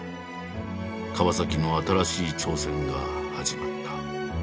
川の新しい挑戦が始まった。